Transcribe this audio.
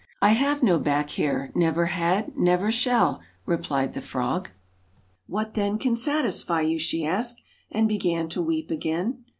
'I have no back hair never had, never shall/ replied the frog. 'What then can satisfy you?' she asked, and began to weep again.